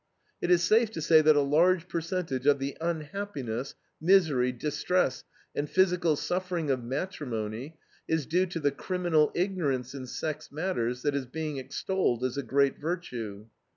It is safe to say that a large percentage of the unhappiness, misery, distress, and physical suffering of matrimony is due to the criminal ignorance in sex matters that is being extolled as a great virtue.